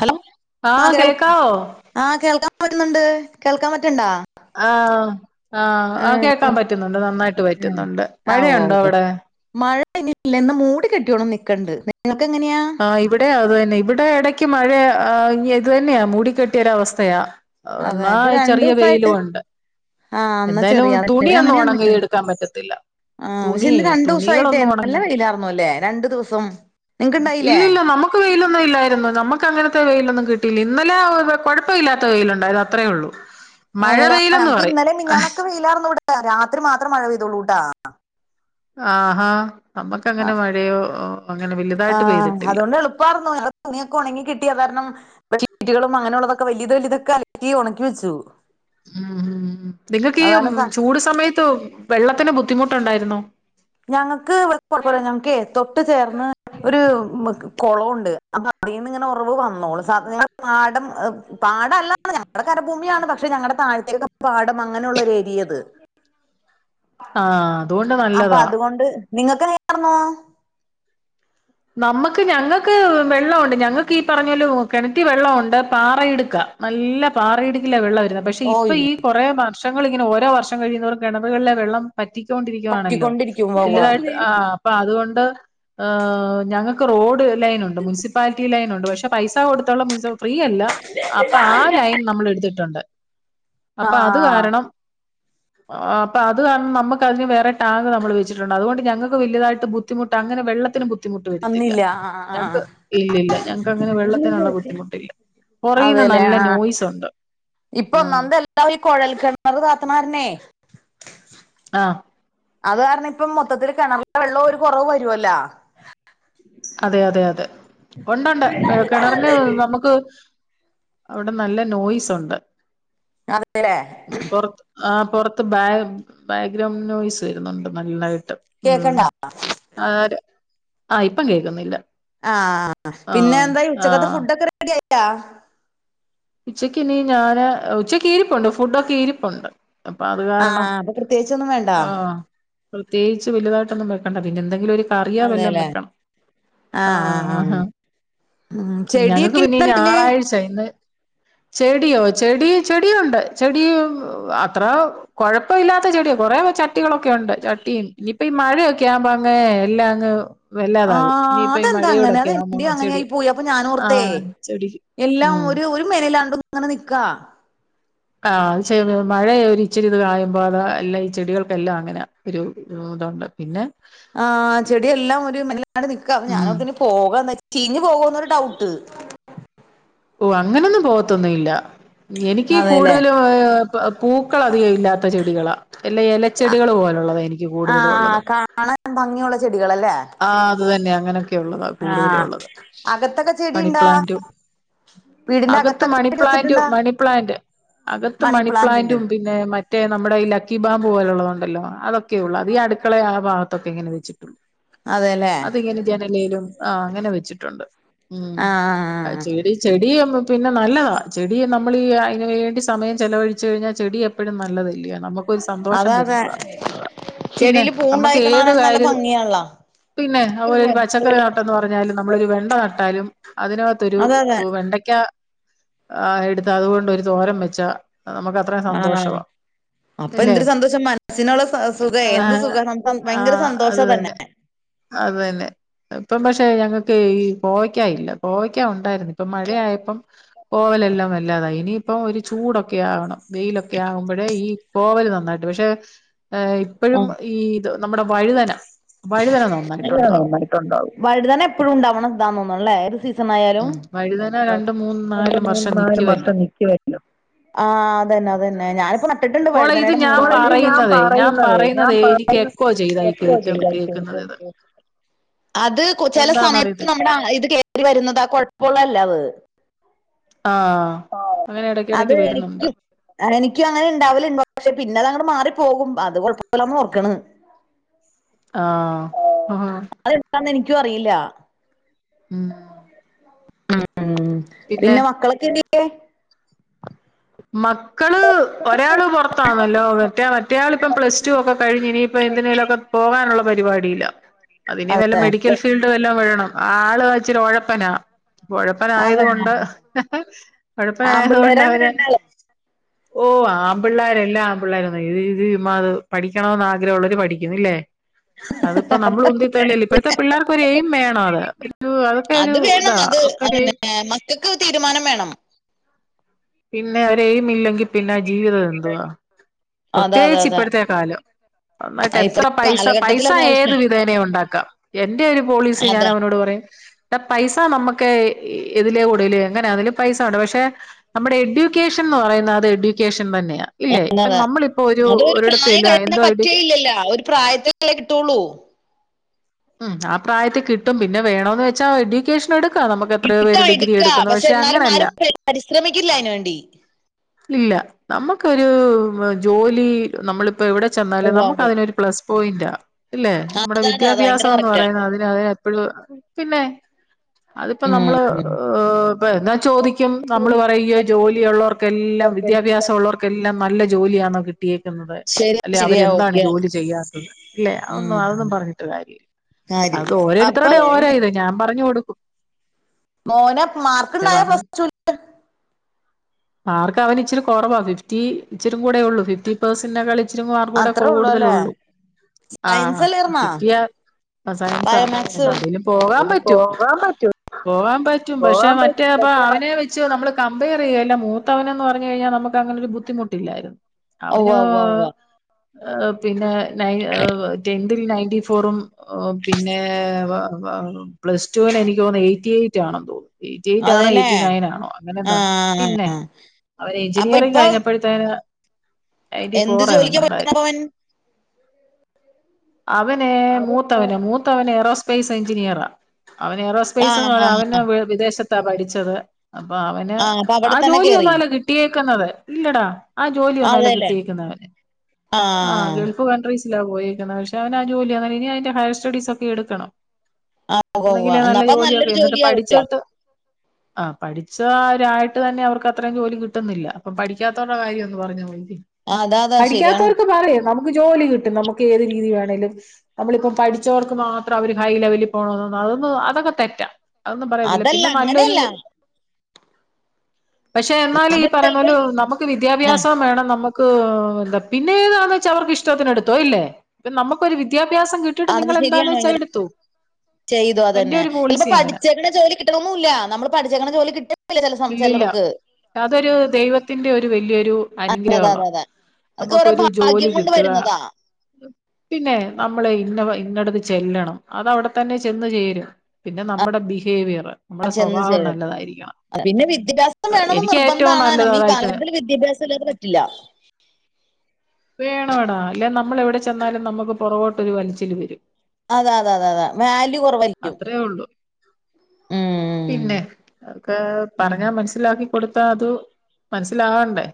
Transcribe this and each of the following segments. Hello ആ ആഹ് കേൾ കേക്കാവോ ആ കേൾക്കാൻ പറ്റുന്നുണ്ട് കേൾക്കാൻ പറ്റണ്ടാ ആഹ ആഹ് ആ കേക്കാൻ പറ്റുന്നുണ്ട് നന്നായിട്ട് ആഹ് പറ്റുന്നുണ്ട് മഴയുണ്ടോ അവിടെ ന്ന് മൂടി കെട്ടിയോണം നിക്കക്കണ്ട് നിങ്ങങ്ങനെയ ആ് ഇവിടെയാ അത്തന്നെ ഇവിടെ ഇടക്ക് മഴ ഇത് തന്നെയാ മൂടിക്കെട്ടിയരവസ്ഥയാാ അതെ എന്നാ ഇത് ചെറിയ രണ്ടൂസായിട്ട് വെയിലും ഉണ്ട് ആഹ് എന്നാ എന്തായാലും ചെറിയ തുണിയ ഒന്നും ഓണം ക എടുക്കാൻ പറ്റത്തില്ല ആഹ വിശ തുണിയേ ഇന്ന് രണ്ടു ദിവസയിട്ടേ തുണികളൊന്നും നല്ല ഉണങ്ങാൻ വെയിലായിർന്നുല്ലേ രണ്ടു ദിവസം നിങ്ങക്ക്ണ്ടായില്ലേ ഇല്ലോ നമുക്ക് വെയിലൊന്നും ഇല്ലായിരുന്നു നമുക്ക് അങ്ങനത്തെ വെയിലൊും ന്നും കിട്ടില്ല ഇന്നലെ കുഴപ്പമ ഇില്ലാത്ത വെയിലുണ്ടായത് അത്രയേ ഉള്ളൂ മഴ ആ വെയിലെന്ന് ഞക്ക് പറയും ഇന്നലെ മിഞ്ഞാനൊക്കെ പെയിലലാർന്നൂട രാത്രി മാത്രം മഴ പെയ്തള്ളൂ ട്ടാ ആഹഹാ ആ ആ വലുതായിട്ട് പെയ്തിട്ടില്ല അതുകൊണ്ട് എളുപ്പമായിരുന്നുഞ തുണിയൊക്കെ ഉണങ്ങി കിട്ടിയതായി ീറ്റുകളും അങ്ങനെയുള്ളതൊക്കെ വലിയത് വലിയ ഇതൊക്കെ അലറ്റി ഉണക്കി വെച്ചു ഉം നിങ്ങൾക്ക് ഈ അതാണ് സ ചൂട് സമയത്ത് വെള്ളത്തിന് ബുദ്ധിമുട്ട് ണ്ടായിരുന്നോ ഞങ്ങക്ക് കൊഴപ്പില്ല ഞക്ക് തൊട്ട് ചേർന്ന് ഒരു കൊളംഉണ്ട് അപ്പൊ അതിൽന്ന് ഇങ്ങനെ ഉറവ് വന്നോളൂ പാംടം പാടല്ല ആ ഞങ്ങളുടെ കരഭൂമിയാണ് പക്ഷെ ഞങ്ങളുടെ താഴ്ത്തേക്കെ പാടം അങ്ങനെയുള്ളൊരു എരിയത് ആഹതോ അപ്പൊ അതുകൊണ്ട് നിങ്ങക്ക് നേർന്നോ നമുക്ക് ഞങ്ങൾക്ക് വെള്ളംഉണ്ട് ഞങ്ങൾക്ക് ഈ പറഞ്ഞല കിണറ്റി വെള്ളംഉ ണ്ട് പാറയിടുക്കാംല്ല ല്ല പാറയിടിക്കില്ല വെള്ളം പക്ഷെ ഇപ്പൊ ഓയ് ഈ കുറേ വർഷങ്ങൾ ഇങ്ങന ഓരോ വർഷം കഴിയുന്നോറും കിണവുകളിലെ വെള്ളം പറ്റിക്കൊണ്ടിരിക്കുകവാണല്ലോ പറ്റിക്കൊണ്ടിരിക്കും വവ്വാ വലുതായിട്ട് ആ അപ്പൊ അതുകൊണ്ട് ഹ് ഞങ്ങൾക്ക് റോഡ് ലൈനുണ്ട് മുസിപ്പാലിറ്റി ലൈനുണ്ട് പക്ഷെ പൈസ കൊടുത്തുള്ള മു ഫ്രീയല്ല അപ്പൊ ആ ലൈൻ നമ്മൾ എടുത്തിട്ടുണ്ട് അപ്പൊ അത് ആഹ് കാരണം ഉ ആ അപ്പ അത് കാരണം നമു അതിന് വേറെടാങ്ക് നമ്മൾ വെച്ചിട്ടുണ്ട് അതു കൊണ്ട് ഞങ്ങൾക്ക് വലതായിട്ട് ബുദ്ധിമുട്ട് അങ്ങനെ വെള്ളന് ബ ബുദ്ധിമുട്ട് വടുത്തില്ല വന്നില്ല ആഹ് ഞങ്ങക്ക് ആഹ് ഇല്ലില്ല ഞങ്ങക്ക് അങ്ങനെ വെള്ളത്തിനുള്ള ബുദ്ധിമുട്ടില്ല കൊറയുന്നു അതെല്ലേ നല്ല ആഹ് നോയ്സ് ഉണ്ട് ഇപ്പൊ ഉം ഒന്നന്തെല്ലാം ഈ കുഴൽ കിണറ് കാത്തനരനെ ആഹ അത് കാരണം ഇപ്പ മൊത്തത്തില്ൽ കിണറില വെള്ളം ഒരു കുറവ് വരുവല്ലോ അതെ അതെ അതെ ഉണ്ടണ്ട് കിണറിന് നമുക്ക് അവിടെ നല്ല നോയ്സ് ഉണ്ട് അതെല്ലേ പുറത്ത് ആ പുറത്ത് ബാ ബാക്ക്ഗ്രൗണ്ട് നോയിസ് വരുന്നുണ്ട് നല്ലതായിട്ട് ഉ കേക്കണ്ട ആ ആ ഇപ്പം കേൾക്കുന്നില്ല ആഹ പിന്നെ എന്തായി ഉച്ചകത്തെ ആഹ് ഫുഡ ഒക്കെ റെഡി ആയാ ഉച്ചക്ക് ഞാൻ ഞാന് ഉച്ചയ്ക്ക് ഇരിപ്പുണ്ട് ഫുഡൊക്കെ ഇരിപ്പുണ്ട് അപ്പൊ അത് ആ കാരണം അപ്പൊ പ്രത്യേകിച്ചൊന്നും വേണ്ട ആഹ പ്രത്യേകിച്ച് വലുതായിട്ടൊന്നും വെക്കണ്ട പിന്നെ എന്തെങ്കിലും ഒരു കറിയാ വെല്ലാം അതെല്ലേ വെക്കണം ആ ആ ആഹ ആ ആഹ ഉം ഞങ്ങക്ക് ചെടിയൊക്കെ പിന്നെ ഉണ്ടോ വീട്ടില് ഞായറാഴ്ച ഇന്ന് ഉം ചെടിയോ ചെടി ചെടിയ ഉണ്ട് ചെടി അത്ര കൊഴപ്പ ഇല്ലാത്ത ചെടിയോ കൊറെേ ചട്ടികളൊക്കെ ഉണ്ട് ചട്ടിയ ഇനിയിപ്പ ഈ മഴയൊക്കെ ആവുമ്പോ അങ്ങ എല്ലാം അങ്ങ് ആ വല്ലാതാകും ഇനിയിപ്പ ഈ അതെന്താ അങ്ങനെ അത് മഴയോടൊക്കെ ആകുമ്പോ എന്റെയും ചെടി അങ്ങനെയായി പോയി അപ്പൊ ഞാൻ ആ ഓർത്തേ ചെടി എല്ലാം ഉം ഒരു ഒരു മനൽാണ്ട അങ്ങനെ നിക്ക ആ അത് മഴയ ഇച്ചിരി ഇത് കായുമ്പോ അത അല്ല ഈ ചെടികൾക്കെല്ലാം അങ്ങനെ ഒരു അതോണ്ട് പിന്നെ ആഹ് ചെടിയെല്ലാം ഒരു മാട് നിക്കാ ഉം ഞാനോത്തന് പോകാന്ന് ചീഞ്ഞു പോകന്നൊരു ഡൗട്ട് ഓ അങ്ങനൊന്നും പോത്തൊന്നുംല്ല എനിക്ക് അതെല്ലേ കൂടുതലും ഏ പൂക്കള അധികം ഇല്ലാത്ത ചെടികളാ അല്ല ഇലച്ചെടികള് പോലുള്ളതാ എനിക്ക് കൂടുതലും ഉള്ളത് കുട്ടികളല്ലേ ആഹ് അത് തന്നെ അങ്ങനെയൊക്കെ ഉള്ളതാണ് കൂടുതലുംള്ളത് അകത്തൊക്കെ ചെടി ഉണ്ടാ മണിപ്ലാന്റും വീടിന്റെ അകത്ത് അകത്തൊക്കെ ചെടി മണിപ്ലാന്റ് വെച്ചിട്ടുണ്ടാ മണിപ്ലാന്റ് അകത്ത് മണി പ്ലാന്റ് ഉണ്ട് മണിപ്ലാന്റും പിന്നെ മറ്റേ നമ്മുടെ ഈ ലക്കിബാ പോലുള്ളതു ഉണ്ടല്ല അതൊക്കെയ ഉള്ളൂ അത് ഈ അടുക്കളെ ആ ഭാഗത്തൊക്കെ ഇങ്ങനെ വെച്ചിട്ടുള്ളൂ അതെല്ലേ അതിങ്ങനെ ജനലയിലും ആ അങ്ങനെ വെച്ചിട്ടുണ്ട് ഉ ആ ആഹ് ചെടി ചെടി അ പിന്നെ നല്ലതാണ് ചെടി നമ്മൾ അതിനന് വേണ്ടി സമയം ചിലവഴിച്ചു കഴിഞ്ഞാൽ ചെടി എപ്പോഴും നല്ലതല്ല അതതെ പിന്നെ ചെടിൽ പൂവ് നമുക്ക് ഇണ്ടായികനെ ഏത് കാണാൻ നല്ല കാര്യം ഭംഗിയല്ലാ പിന്നെ അതുപോലെ ഒരു പച്ചക്കറി നട്ട എന്ന് പറഞ്ഞാലും നമ്മളൊരു വെണ്ട നട്ടാലും അതിനകത്തൊരു അതെ അതെ വെണ്ടയ്ക്കാ ആഹ് എടുത്ത അതുകൊണ്ട്രു തോരം വെച്ചാ നമുക്ക് അത്രയും ആഹ് സന്തോഷവാ അപ്പൊ അല്ലേ എന്തൊരു സന്തോഷം മനസ്സിനുള്ള സുഖ ആ എന്ത് സുഖ ഭയങ്കര സന്തോഷം തന്നെ അതന്നെ ഇപ്പം പക്ഷെ ഞങ്ങക്ക് ഈ പോയ്ക്കാ ഇല്ല കോവക്ക ഉണ്ടായിരുന്ന ഇപ്പ മഴയപ്പം പോവലെല്ലാം വല്ലാത ഇനി ഇപ്പൊ ഒരു ചൂടൊക്കെ ആകണം വെയിലൊക്കെ ആകുമ്പോഴേ ഈ കോവൽ നന്നായിട്ട് പക്ഷെ ഇപ്പോഴും ഈ ഇത് നമ്മുടെ വഴുതനം ണ്ട വഴുതാനെ എപ്പഴും ഉണ്ടാവണം ഇതാ തോന്നുന്നില്ലേ ല ഉം വഴുതന രണ്ട് മൂന്ന് നാലും വർഷം നിക്കുവല്ലോ വർഷം നിക്ക വരില്ലോ ആഹ് അതന്നെ അതന്നെ ഞാനിപ്പ നട്ടിട്ടുണ്ട് മോളെ ഇത് വഴുതനയുടെ ഞാൻ മൂന്നാല് ഞാൻ പറയുന്നതേ ഞാൻ പറയുന്നത് പറയുന്നതേ എനിക്ക് എക്കോ ചെയ്തായി എക്കോ കേട്ട ചെയ്തായിരിക്ക കേൾക്കുന്നത് ഇത് കേകനെ അത് ചില സമയത്ത് എന്താന്നറിയത്തില്ല നമ്മുടെ ഇത് കേയറി വരുന്നത് കൊഴപ്പമള്ളല്ല അത് ആഹ് അങ്ങനെ അത് ഇടയ്ക്കിടക്ക് വരുന്നുണ്ട് എനിക്കും എനിക്കും അങ്ങനെ ഇണ്ടാവലണ്ടോ പക്ഷെ പിന്നെ അത് അങ്ങ മാറി പോകും അത് കൊഴപ്പമില്ല ന്നോർക്കണ് ആഹ ഹ എന്താന്ന് എനിക്കും അറിയില്ല ഉം ഉം പിന്നെ മക്കളൊക്കെ എന്തിയെ? മക്കള് ഒരാള് പുറത്താന്നല്ലോ മറ്റേ മറ്റേൾ ഇപ്പ പ്ലസ് ടു ഒക്കെ കഴി ഇനിപ്പ എന്തിന പോവാനുള്ള പരിപാടീല അതിന വല്ല അതെ മെഡിക്കൽ ഫീൽഡ് വല്ലാം വേണം ആള് ഇച്ചരി ഒഴപ്പന ഒഴപ്പനായത് അതെ കൊണ്ട് ഉഴപ്പനായത് ആമ്പിള്ളേരെ കൊണ്ട് അവന് അങ്ങനെ- ഓ ആപിള്ളേരല്ലാ ആപിള്ളേര ഇത് ഇത് പഠിക്കണമന്ന് ആഗ്രഹമ ഉള്ളര് പഠിക്കും ല്ലേ അതിപ്പോ നമ്മൾ ഉന്തി തള്ളല്ല ഇപ്പോഴത്തെ പിള്ളേർക്ക് ഒരു എയിം വേണോ അത് ഒരു അതൊക്കെ ഒരു അത് വേണം ഇതാ അത് അതൊക്കെ ഒരു അതന്നെ എയിം മക്കൾക്ക് തീരുമാനം വേണം പിന്നെ ഒരു എയിം ഇല്ലെങ്കിൽ പിന്നെ ആ ജീവിതം എന്തുവാ അതെ അതെ പ്രത്യേകിച്ച് അതെ ഇപ്പോഴത്തെ കാലം ആ, നന്നായിട്ട് എത്ര ഇപ്പത്തെ പൈസ കാലഘട്ടത്തിൽ പൈസ അത് ഏത് ആവശ്യം വിധേനയയും ഉണ്ടാക്കാം എന്റെ ഒരു പോളിസി ഞാൻ അതെ അവനോട് പറയും ഇ പൈസ നമുക്ക് ഇതില കൂടെല് എങ്ങനെ അതില് പൈസ ഉണ്ട പക്ഷെ നമ്മുടെ എഡ്യൂക്കേഷൻ എന്ന് പറയുന്നത്ത് എഡ്യൂക്കേഷൻ തന്നെയാ ഇല്ലേ ഇപ്പൊ അതെയതെ നമ്മളിപ്പോ ഒരു അതൊരു പ്രായം ഒരിടത്തേലും കഴിഞ്ഞാ എന്തോ എഡ്യൂക്കേ പറ്റുകല്ലല്ലോ ഒരു പ്രായത്തില്ല കിട്ട ഉള്ളൂ മ് ആ പ്രായത്തിൽ കിട്ടും പിന്നെ വേണന്ന് വെച്ചാൽ എഡ്യൂക്കേഷൻ എടുക്ക [unintelligible] നമുക്ക് എത്രയ ഇടുക്ക പേര് ഡിഗ്രി ഇടുക്ക എടുക്കുന്നു പക്ഷെ എന്നാലും അങ്ങനെയല്ല ആരും പരിശ്രമിക്കില്ല അതിനു വേണ്ടി ഇല്ല നമുക്കൊരു ജോലി നമ്മളിപ്പോ എവിടെ ചെന്നാലും നമുക്ക് അതിനൊരു പ്ലസ് പോയിന്റ ഇല്ലെ നമ്മുടെ അതാ അതാ അത് ഭയങ്കര വിദ്യാഭ്യാസംന്ന് കറക്റ്റാ പറയുന്നത് അതിനത് എപ്പോഴും പിന്നെ അതിപ്പോ നമ്മള് ഇപ്പ എന്നാ ചോദിക്കും നമ്മള് പറയയ ജോലിയള്ളവർക്കെ എല്ലാം എല്ലാവർക്കെല്ലാം വിദ്യാഭ്യാസമുള്ളവർക്കെല്ലാം നല്ല ജോലിയാാണ് കിട്ടിയേക്കുന്നത് ശരി അല്ലെ ശരിയാ അവരെന്താണ് ഓക്കെ ജോലി ചെയ്യാത്തത് അല്ലെ അതൊന്നും അതൊന്നും പറഞ്ഞിട്ട് കാര്യമല്ല അത് കാര്യമില്ല ഓരോരുത്തരുടെ അപ്പം ഓരോ ഇത ഞാൻ പറഞ്ഞു കൊടുക്കും മോനെ മാർക്ക് ഇണ്ടായ [unintelligible] ആർക്ക അവന് ഇച്ചരി കുറവാാണ് ഫിഫ്റ്റി ഇച്ചും കൂടെയ ഉള്ളൂ ഫിഫ്റ്റി പേഴസെറി [unintelligible] ഇച്ചരിമാർും കൂടെ അത്രേ ഉള്ളു അല്ലേ കൂടുതലള്ളൂ ആ സയൻസ് അല്ലായിരുന്നാ ശിട്ടിയ അസായൻസാ ബയോമാക്സ് എവിടെേങ്കലും പോകാൻ എവിടെയെങ്കിലും പറ്റൂ പോകാൻ പറ്റും പോകാൻ പറ്റും പക്ഷെ പോകാൻ പറ്റും മറ്റേപ്പ പക്ഷെ അവനെ വെച്ച്ു നമ്മള് കമ്പ റിയല്ല മൂത്തവനന്ന് പറഞ്ഞു കഴിഞ്ഞാൽ നമുക്ക് അങ്ങനെൊ ഒരു ബുദ്ധിമുട്ടില്ലായിരുന്നു ഉവ്വ അവന് ഉവ്വ ഉവ്വ പിന്നെ [unintelligible] ടെന്തിൽ നയന്റി ഫോറും പിന്നെ പ്ലസ് ടുവിന് എനിക്ക് തോന്ന എയ്റ്റി എയ്റ്റ് ആണെന്ന് തോന്നുന്നു എയ്റ്റി എയ്റ്റ് ആണോ അതെല്ലേ എയ്റ്റി നയൻ ആണോ അങ്ങനെ ആ എന്തണ്ട് പിന്നെ അവന് അപ്പൊ എഞ്ചിനീയറിങ് ഇപ്പൊ കഴിഞ്ഞപ്പോഴത്തേന് നയന്റ്റ എന്ത് ഫോർ ആഏത ജോലിക്കാ ഉണ്ടായിരുന്നു പറ്റുന്നവൻ അവന് അത് [unintelligible] മൂത്തവൻ എഏറോസ്പേസ് എഞ്ചിനീയറാ അവൻ എഏറോസ്പേസ് ആഹ് എന്ന് പറ ആഹ് അവ വിദേശ ത്ത പഠിച്ചത് അപ്പൊ അവന് ആഹ് അപ്പൊ ആ അവിടെ തന്നെ ജോലി കേറി ഒന്നുല്ലോ കിട്ടിയേക്കുന്നത് ഇല്ലടാ ആ ജോലി ഒന്നല്ല അതെല്ലേ കിട്ടിയേക്കുന്നത് ആഹ് [unintelligible] പോയിരിക്കുന്നത് പക്ഷെ അവന് ആ ജോലിയാ ഇനി അതിന്റെ ഹയർ സ്റ്റഡീസ് ഒക്കെ എടുക്കണം ആഹ് ഉവ്വ ഉവ്വ എന്നന്തെങ്കില എന്നാ നല്ല അപ്പൊ ജോലിയൊക്കെ നല്ലൊരു എന്നിട്ട് ജോലിയാവൂല്ലോ പഠിച്ചിട്ട് ആ പഠിച്ച ഒരായിട്ട് തന്നെ അവർക്ക് അത്രയും ജോലിും കിട്ടുന്നില്ല അപ്പൊ പഠിക്കാത്തവടെ കാര്യം ഒന്ന് പറഞ്ഞ പോല ആഹ് അതാ അതാ ശരിയാണ് പഠിക്കാത്തവർക്ക് പറയാം നമുക്ക് ജോലി കിട്ടും നമുക്ക് ഏത് രീതി വേണമേലും നമ്മളിപ്പം പഠിച്ചവർക്ക് മാത്രം അവര് ഹൈ ലെവലിൽ പോണ അതൊന്ന് അതൊക്കെ തെറ്റാം അതൊന്നും പറയത്തില്ല അതല്ല പിന്നെ നല്ലൊരു അങ്ങനെയല്ല പക്ഷെ എന്നാലും ഈ പറയുന്ന ചെലപ്പോ പോല നമുക്ക് ആഹ് വിദ്യാഭ്യാസം വേണം നമുക്ക് [unintelligible] പിന്നെ താന്ന് വെച്ചാൽ അവർക്ക് ഇഷ്ടത്തിന് എടുത്തോ ഇല്ലേ നമുക്കൊ ഒരു വിദ്യാഭ്യാസം കിട്ടിട്ട് നിങ്ങ എന്താന്ന് വെച്ചാ എടുത്തോ ചെയ്തുോ എന്റെ അതന്നെ ഒരു ചിലപ്പോ പോളിസി അങ്ങനെ പഠിച്ചേക്കുന്ന ജോലി കിട്ടണമന്നും ഇല്ല നമ്മള് പഠിച്ചേക്ക ജോലി കിട്ടില [unintelligible] ഇല്ലില്ല അതൊരു ദൈവത്തിന്റെ ഒരു വല്ിയൊരു അതെ അതെ അനുഗ്രഹമാണ് അതെ അതൊക്കെ ഓരോ നമുക്കൊരു ജോലി ഭാഗ്യം കൊണ്ട് കിട്ടുക വരുന്നതാ പിന്നെ നമ്മളെ ഇന്നടത്ത് ചെല്ലണം അത അവിടെ തന്നെ ചെന്ന് ചേരും പിന്നെ നമ്മുടെ ബിഹേവിയർ നമ്മുടെ ആഹ് ചെന്ന് സ്വഭാവം ചേരും നല്ലതായിരിക്കണം പിന്നെ വിദ്യാഭ്യാസം വേണംമന്ന് എനിക്ക് നിർബന്ധം ഏറ്റവും നല്ലത് കാണാനും ഈ അതായിട്ട് കാലത്തില്ൽ വിദ്യാഭ്യാസം ഇല്ലാതെ പറ്റില്ല വേണ എടാ അല്ലെ നമ്മൾ എവിടെ ചെന്നാലും നമുക്ക് പുറവോട്ട്ൊരു വലിച്ചില് വരും അതെ അതെ അതെ അതെ വല്യു അത്രേ ഉള്ളു ഉം പിന്നെ അക്കെ ഉം പറഞ്ഞ മനസ്സിലാക്കി കൊടുത്താ അത് മനസ്സിലാാവണ്ടേ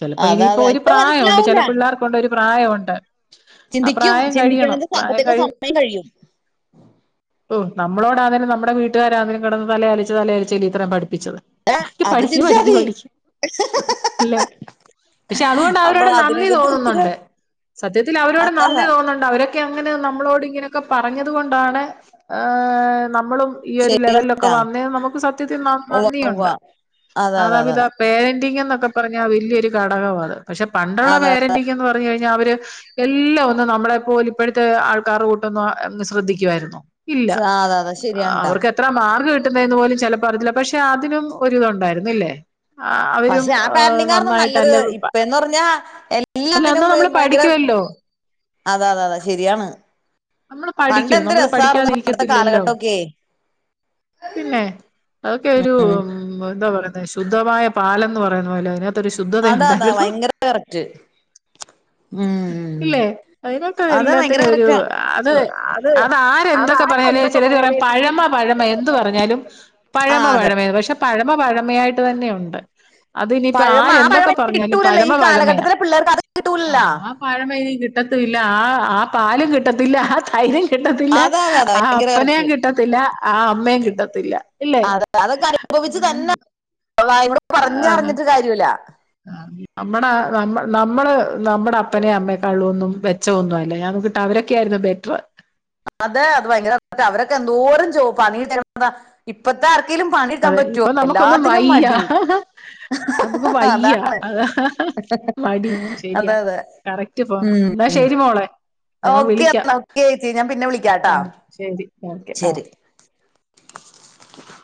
ചിലപ്പോ അതാ ഇനിയിപ്പോൊ അതാ ഒരു ഇപ്പൊ പ്രായമുണ്ട് ചില മനസ്സിലാവൂല പിള്ളേർക്കണ്ട് ഒരു പ്രായംുണ്ട് ആ ചിന്തിക്കും പ്രായം കഴിയണം ചിന്തിക്കണത് പ്രായം അപ്പത്തേക്ക് കഴി സമയം കഴിയും ഓ നമ്മളോട [unintelligible] നമ്മ വീട്ടുകാരെനും കിട തലാലി തലാലിൽ ഇത്രം പഠിച്ച ഏ, ിച്ചത് അത് പഠിച്ചു ചിന്തിച്ചാ പഠിക്കു മതി പഠിക്കു അല്ലേ പക്ഷെ അതുകൊണ്ട് അപ്പൊ അവരോട് അതിനെ നന്ദി കുറിച്ച് തോന്നുന്നുണ്ട് സത്യത്തിൽ അവരോട് അതാ നന്ദി അതാ. തോന്നുന്നുണ്ട് അവരെ അങ്ങനെ നമ്മളോട് ഇങ്ങനെയൊക്കെ പറഞ്ഞത് കൊണ്ടാണ് [unintelligible] നമ്മളും ഈ ഒരു ശരിയാണ് ലെവലൊക്കെ ട്ടാ വന്നേ നമുക്ക് സത്യത്തിൽ ഉവ്വ ഉവ്വ നന്ദിയുണ്ട് അതാ മാതാ അതാ അതാ പിതാ അതാ പേരൻ്റ് ൻ്റിന്നൊക്കെ പറഞ്ഞാ വലിയൊരു ഘടകാ അത്. പക്ഷെ പണ്ടുള്ള അതാ പാരന്റിങ്ങ് എന്ന് പറഞ്ഞു കഴിഞ്ഞാ അവര് എല്ലാം ഒന്ന് നമ്മളെപ്പോല് ഇപ്പോഴത്തെ ആൾക്കാർടെ കൂട്ടൊന്ന് ശ്രദ്ധിക്കുവായിരുന്നോ? ഇല്ല സ- ആ, അതാ അതാ ശരിയാണ് ട്ടാ അവർക്ക് എത്ര മാർക്ക് കിട്ട് [unintelligible] പോലും ചിലപ്പോ അറിയത്തില്ല പക്ഷെ അതിനും ഒരിതുണ്ടായിരുന്നു ഇല്ലേ ആഹ് അവരും പക്ഷെ ആ പാരന്റിംഗ് ആയിരുന്നു നല്ലത് നന്നായിട്ടല്ല പ ഇപ്പന്ന് പറഞ്ഞാ എന്നാ എല്ലാത്തിനും ഭ- നമ്മള് ഭയങ്കര പഠിക്കുവേ ല്ലോ അതാ അതാ അതെ ശരിയാണ് നമ്മള് പഠിക്കും പണ്ടെന്ത് നമ്മള് രസാർന്ന് പണ്ടത്തെ പഠിക്കാതിരിക്കത്തില്ലല്ലോ കാലഘട്ടൊക്കെ പിന്നെ അതൊക്കെ ഒരു ഉം. ന്താ പറ ശുദ്ധമായ പാലന്ന് പറയുന്ന പോലെ അതിനകത്തൊരു ശുദ്ധത അതാ അതാ ഉണ്ടായിരുന്നു ഭയങ്കര കറക്റ്റ് ഉം ഇല്ലെ അതിനൊക്കെ അത് ഭയങ്കര എല്ലാത്തിനും ഒരു കറക്റ്റാ അത് അത് ആര് അത് എന്തൊക്കെ ആ പറഞ്ഞാല് എന്തൊക്കെ ചെലര് പറയും പോയാലേ ചിന്തി പഴമ പഴമ എന്ത് പറഞ്ഞാലും ആ പഴമ അതെ പഴമെന്ന് പക്ഷെ പഴമ പഴമയായിട്ട് തന്നെയുണ്ട് അത് ഇനിപ്പോ പഴം ആര് ആ പഴം എന്തൊക്കെ ഇനി പറഞ്ഞാലും കിട്ടൂലല്ലോ പഴമ ഈ പഴമയാ കാലഘട്ടത്തിലെ പിള്ളേർക്ക് അത് കിട്ടൂലല്ലോ ആ പഴമ ഇനി കി ട്ടത്തൂല്ല ആഹ് ആഹ് പാലും കിട്ടത്തില്ല ആ തൈരും കിട്ടത്തില്ല അതാ അതാ അതാ ആ ഭയങ്കര അപ്പനേം കറക്റ്റ് കിട്ടത്തില്ല ആ അമ്മയേം കിട്ടത്തില്ല ഇല്ലേ അത് അതൊക്കെ അനുഭവിച്ച് ഉം തന്നെ വായകൊണ്ട് ആഹ് പറഞ്ഞറിഞ്ഞിട്ട് കാര്യല്ല നമ്മടെ നമ്മ നമ്മള് നമ്മടെ അപ്പനെ അമ്മയേക്കാളൊന്നും മെച്ചൊന്നും അല്ല ഞാൻ നോക്കീ ട്ട് അവരൊക്കെയായിരുന്നു ബെറ്റർ അതെ അത് ഭയങ്കര അവരൊക്കെ എന്തോരം ജോ പണി എടുത്ത് നടന്നതാ ഇപ്പത്തെ ആർക്കെങ്കിലും പണി എടുക്കാൻ അതെ പറ്റുമോ ഇപ്പൊ നമുക്കൊന്നും എല്ലാത്തിനും വയ്യ മടി നമുക്ക് അതാ വയ്യ അതാ മടി ശരിയാ അതെ അതെ കറക്റ്റ് ഫോം ശരി മോളെ ഞാൻ ഓക്കെ വിളിക്കാം ഓക്കെ ചേച്ചി ഞാൻ പിന്നെ വിളിക്കാട്ടാ ആഹ് ശരി ഓക്കെ ആഹ് ശരി [inaudible]